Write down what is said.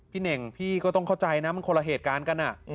เน่งพี่ก็ต้องเข้าใจนะมันคนละเหตุการณ์กัน